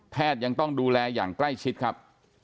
ยังต้องดูแลอย่างใกล้ชิดครับ